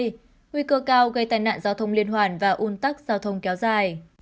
nguy cơ cao gây tai nạn giao thông liên hoàn và un tắc giao thông kéo dài